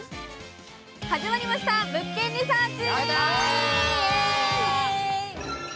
始まりました「物件リサーチ」。